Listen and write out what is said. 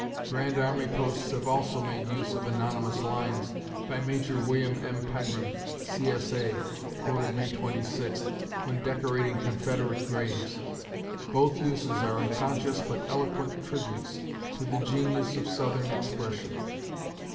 Grand Army Posts have also made use of "anonymous" lines by Major Wm. M. Pegram, C. S. A., (quoted May 26th), when decorating Confederate graves. Both uses are unconscious but eloquent tributes to the genius of Southern expression.